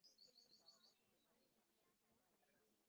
উদাহরণ স্বরূপ San Antonio, টেক্সাসের ইউটিলিটি।